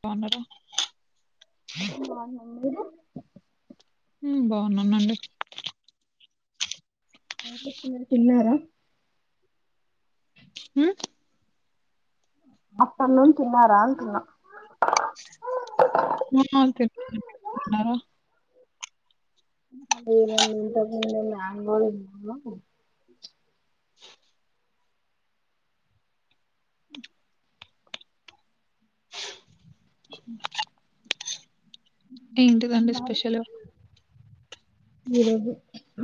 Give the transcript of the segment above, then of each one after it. బావున్నార అవునవును మీరు ఓ ఉమ్ బాగున్నానండి ఏం చేస్తున్నారు తిన్నారా ఉమ్ పప్పన్నం తిన్నారా అంటున్న ఆ తిన్నానండీ మీరు తిన్నారా ఇంకా లేదండి ఇంతకు ముందే మ్యాంగో తిన్నా ఏంటిదండి స్పెషల్ ఈరోజు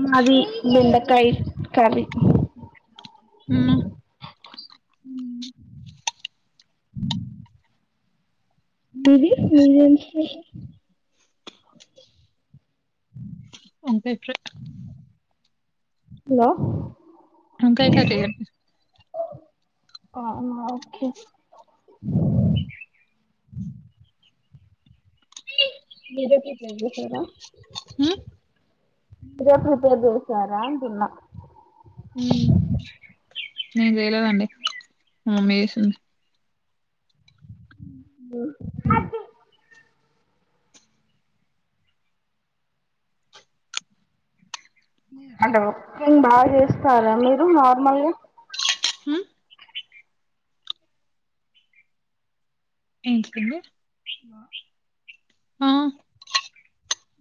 మాది బెండకాయ కర్రి ఉమ్మ ఉమ్ మీది మీదేం స్పెషల్ వంకాయ్ ఫ్రై హలో వంకాయ్ కర్రి అండి అవునా ఓకే మీరే ప్రిపేర్ చేశారా హ్మ్ మీరే ప్రిపేర్ చేశారా అంటున్న ఉమ్ నేన్ చెయ్ కదండి మమ్మి చేసింది ఉంహు అది అంటే వకింగ్ బా చేస్తారా మీరు నార్మల్గా హ్మ్ ఏంటిదండి న ఆ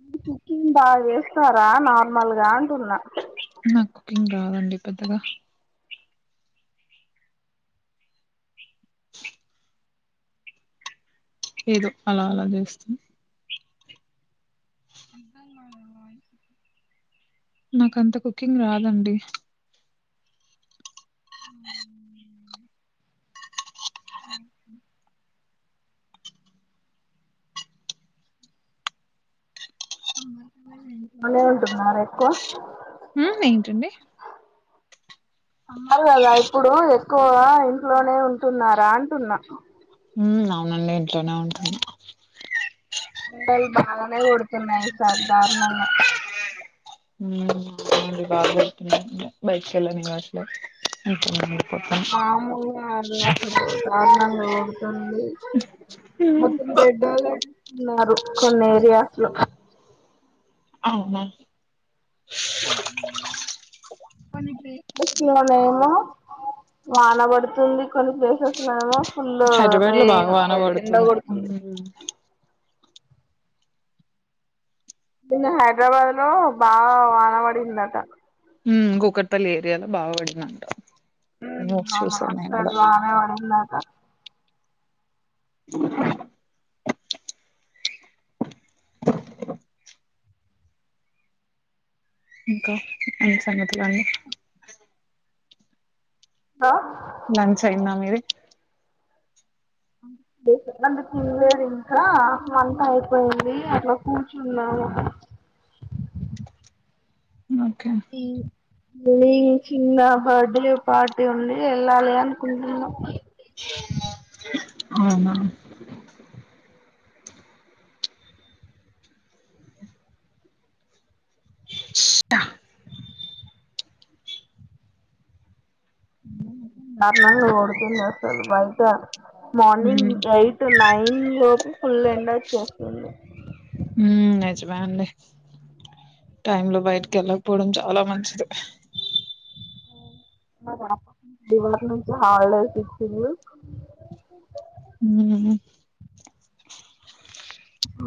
మీరు కుకింగ్ బాగా చేస్తారా నార్మల్గా అంటున్నా నాక్ కుకింగ్ రాదండి పెద్దగా ఏదో అలా అలా చేస్తా అద్దం కాలే వాయిస్ నాకంత కుకింగ్ రాదండి అవునా ఒకే ఇంట్లోనే ఉంటున్నారా ఎక్కువ ఉమ్ ఏంటండి సమ్మర్ కదా ఇప్పుడు ఎక్కువగా ఇంట్లోనే ఉంటున్నారా అంటున్నా ఉమ్ అవునండి ఇంట్లోనే ఉంటున్న బాగానే ఎండలు కొడుతున్నాయి ఈసార్ దారుణంగా ఉమ్ బైక్లా [inaudible] మామూలు గాదు అస్సలు దారుణంగా అతని మొత్తం రెడ్ అలర్ట్ ఉన్నారు కొన్ని ఏరియాస్ లో అవున కొని పె పేసియా [unintelligible] ఏమో వానబడుతుంది కొన్ని ప్లేసెస్నలమో ఫులు హైదరాబాద్ లో బాగా రేను వాన ఎ ఎండ పడుతుంది. కొడుతుంది హ్మ్ నిన్న హాట్ [unintelligible] హైదరాబాద్ లో బాగా వాన పడ్ నిన్న అట హ్మ్మ్ కూకట్ పల్లి ఏరియాలో బాగాపడిందంట ఉమ్ అమ్మ స్తాన్ [unintelligible] వాన పడిందాంట [inaudible] [inaudible] ఇంకా ఎమ్ సంగతలు అండి హ లాంచ్ అయిందా మీది అన్నం ది త్ తినలేదు ఇంకా వంట అయిపోయింది అట్లా కూర్చున్నాము ఓకే ఈ మీ చిన్న బర్డె పార్టీ ఉండి వెళ్ళాలి అనుకుంటున్నాం అవునా దారుణంగా కొడుతుంది అసలు బయట మార్నింగ్ హ్మ్ ఎయిట్ నైన్ లోపు ఫుల్ ఎండొచ్చేస్తుంది చేస్తుంది ఉమ్ నిజమే అండి టైమ్ లో బయటకి ఎళ్ళక్ పోవడం చ అలా మంచ్ ద్ మా పాప ఇవ్వాల్టి నుంచి హాలిడేస్ ఇచ్చిరు హ్మ్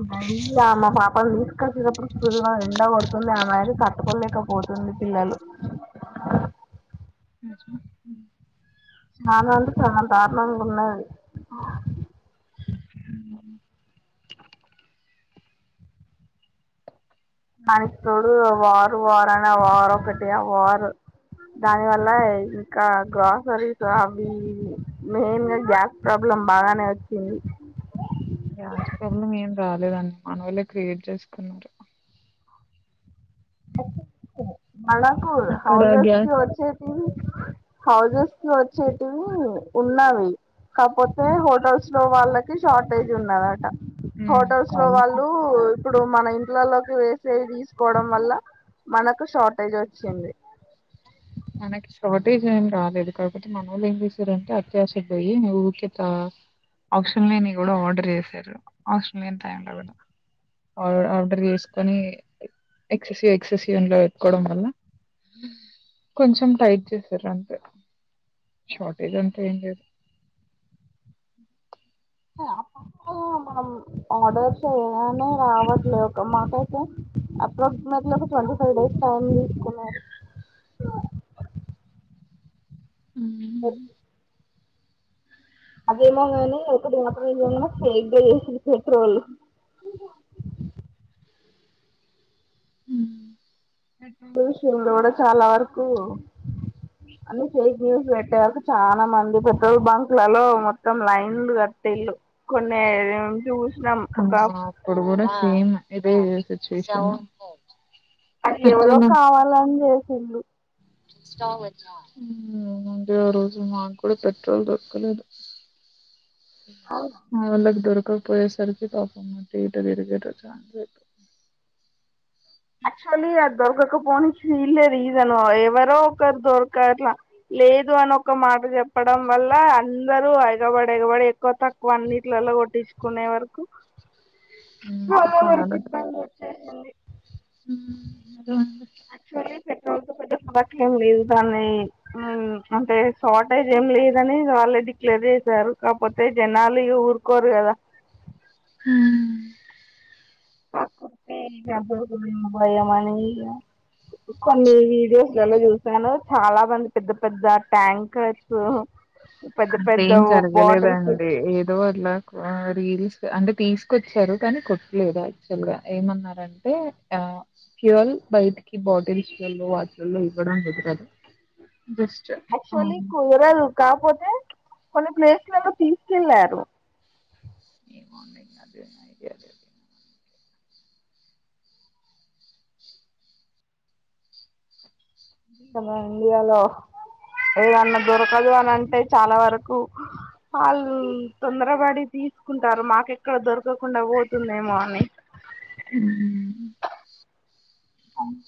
మళ్ళీ అమ్మే మా పాపను తీసుకోనప్పుడు తృజగా ఎండా కొడుతుంది ఆ మాది కట్టుకోలేకపోతుంది పిల్లలు చాలా చాల్ దారుణంగా ఉన్న అండి దానిక్ తోడు వారు వార్ అనే వారు ఒకటి ఆ వారు దాని వల్ల ఇంకా గ్రాసరీస్ అవి ఇవి మెయిన్ గా గ్యాస్ ప్రాబ్లం బానే వచ్చింది మానోలే క్రియేట్ చేసుకున్నారు ఓ [unintelligible] మనాకు అక్కడ హౌజెస్ క్ గ్యాస్ వొచిటివ్ [unintelligible] హౌజెస్ వచ్చేటివి ఉన్నావి కాకపోతే హోటల్స్ లో వాళ్ళకి షార్టేజ్ ఉన్నదట హ్మ్ హోటల్స్ లో వాళ్ళకు వాళ్ళు ఇప్పుడు మన ఇ ఇళ్లలోకి వేసేవి తీసుకోవడం వల్ల మనకు షార్టేజు వచ్చింది మనకి షార్టేజ్ ఏ రాలేదు కాబటి మనోళ్ళు ఏం చేశారంటే అత్యాస పోయి ఊకేత ఆప్షన్ లేని కూడా ఆర్డర్ చేసారు ఆషన్ లేని టైంలో ఆర్ ఆర్డర్ చేసుకని ఎక్ ససి ఎక్ ససి యన్ పెట్టుకోవడం వల్ల కొంచెం టైట్ చేసారు అంతే షార్టేజ్ అంటే ఏం లేదు ఆ [unintelligible] మనం ఆర్డర్స్ చేయగానే రావట్లేదు ఒక మాకైతే అప్రాక్సిమేట్లీ ఒక ట్వంటీ ఫైవ్ డేస్ టైం తీసుకున్నారు ఉహ్మ్మ్ అదేమో కానీ ఒకటి మాటన్నాడ [unintelligible] ఫేక్ చేసిర్రు పెట్రోలు హ్మ్ న్యూస్ చూడడమ్ వాళ్ళ చాలా వరకు అని ఫేక్ న్యూస్ పెట్టే వరక్ [unintelligible] చాలా మంది పెట్రోల్ బంక్ లలో మొత్తం లైన్లు కట్టీలు కొన్ని చుస్ అ అప్పుడుగుడా సేమ్ ఏదో ఈ సిచువేషన్ అది ఎవరో కావాలన్ చెస్ తుండ్లు ఉమ్ ముందే ఆ రోజు మాకు కూడా పెట్రోల్ దొరకలేదు ఆ వందక్ దొరక్ అ పోయే సరికి పాపం [unintelligible] వెరుగ పచ్చ యాక్చువల్లీ అది దొరకకపోని ఫీల్లే రీజన్ ఎవరో ఒకరు దొరకట్ల లేదు అని ఒక మాట చెప్పడం వల్ల అందరుూ ఎగబడి ఎగబడి ఎక్కువ తక్కువ అన్నిట్లో కొట్టించుకునే వరకు సోమవారికి ఇబ్బంది వచ్చేసింది ఉ ఉమా యాక్చువల్లీ పెట్రోల్ తో పద్ద అవట్లు ఏం లేదు బాగున్నాయి ఉమ్ అంటే షార్టేజ్ ఏం లేదని వాళ్ళే డిక్లేర్ చేసారు కాకపోతే జనాలు ఊరుకోరు కదా హ్మ్ దొరుకుతాయి [inaudible] భయంమని ఇగా కొన్ని వీడియోస్లలో చూస్తాను చాలా మంది పెద్ద పెద్ద ట్యాంకర్స్ పెద్ద అట్ల పెద్ద ఏం బాటిల్స్ జరగలేదండి ఏదో అలా రీల్స్ అంటే తీసుకొచ్చారు కానీ కొట్టలేదు యాక్చువల్ గా ఏమన్నారంటే ఆ ఫ్యూయల్ బయటికి బాటిల్స్లో వాటిలలో ఇవ్వడం కుదరదు జస్ట్ యాక్టువల్లి ఆహ్, కూరల్ కాపోతే కొన్ని ప్లేస్లలో తీసుకెళ్ళారు ఏమో అండీ ఇంగా అదే నైట్ అదే తినాలి అందుకే ఇంకా మన ఇండియాలో ఏదన్నా దొరకదు అని అంటే చాలా వరకు హల్ తొందరపడి తీసుకుంటారు మాకెక్కడ దొర్ తీసుకోకుండా పోతుంది ఏమో అని హ్మ్. అవున్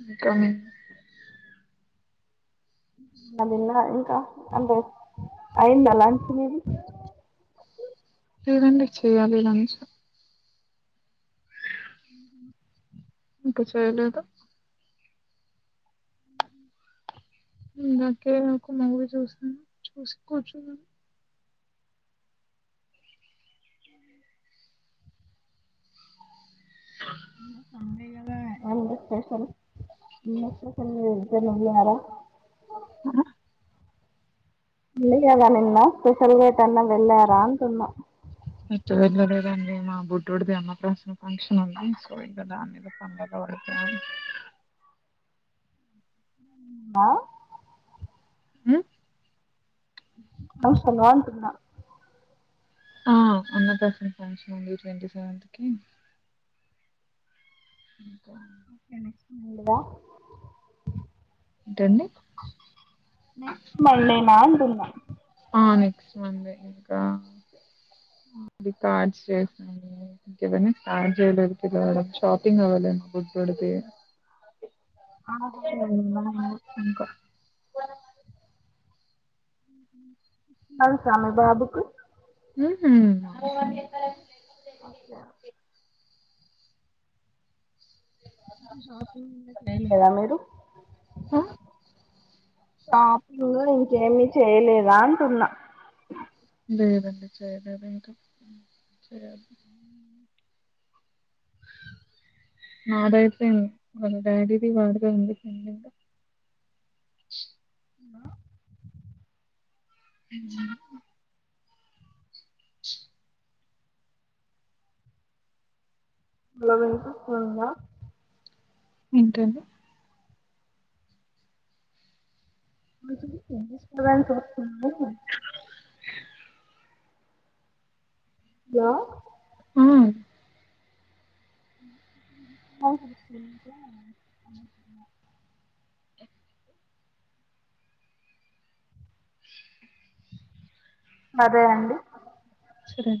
ఉమ్ కమిన్ అది తిన్న ఇంకా అంటే అయింద లంచ్ మీది లేదండి చేయ్యాలి లంచ్ ఊ హుం ఇంకా చేయలేదా ఇందాకే ఒక మూవీ చూస్తాను చూసి కూర్చున్నాను ఉమ్ సండే కదా ఏంటి స్పెషల్ ఆ ఆ మిలియర్ గా నిన్న స్పెషల్ గా ఎటైనా వెళ్లారా అంటున్నా ఎట్టు వెళ్ళలేదండి మా బుడ్డుడిది అన్నప్రాసన్న ఫంక్షన్ ఉంది సో ఇంకా దాని మీద పంలలో పడతాన్న ఇంగా ఉమ్ అవసరమా అంటున్న ఆ అన్నప్రాసన ఫంక్షన్ వుంది ట్వంటీ సెవెన్త్ కి ఇంకా ఇంకా నెక్స్ట్ వీడిదా ఏంటండి నెక్స్ట్ మండేనా అంటున్న ఆ నెక్స్ట్ మండే ఇంకా అది కార్డ్స్ చేసా [inaudible] ఇంకవన్నీ స్టార్ట్ చేయలేదు పిల్లలకు షాపింగ్ అవ్వలే మా బుడ్డోడ్ది [unintelligible] ఇంకా మరి సన్నీ బాబుకు ఉ హ్మ్ స [inaudible] ఏం లేదా మీరు అ షాపింగు ఇంకేమి చేయలేదా అంటున్నా లేదండి చేయలేదు ఇంకా ఉ చేయాలి నాదైపోయింది. వాళ్ళ డాడీది వాడిదే ఉంది పెండింగా అ ఎంజాయ్ హ [unintelligible] లెవెన్ కి పోయిందా ఏంటండి [inaudible] కొనుక్కున్నరు [unintelligible] హలో ఆ అవును అదే అండి సరే